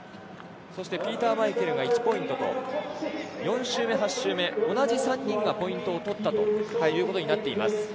そしてピーター・マイケルが１ポイントと４周目、８周目、同じ３人がポイントを取ったということになっています。